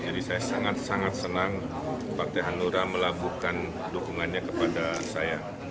jadi saya sangat sangat senang partai hanura melaburkan dukungannya kepada saya